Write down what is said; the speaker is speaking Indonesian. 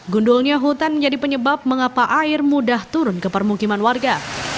gundulnya hutan menjadi penyebab mengapa air mudah turun ke permukiman warga